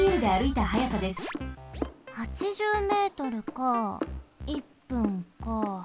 ８０ｍか１分か。